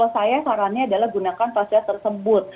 saya sarannya adalah gunakan fasilitas tersebut